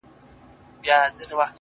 o ستا د يوې لپي ښكلا په بدله كي ياران،